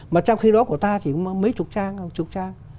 mà trong khi đó của ta chỉ mấy chục trang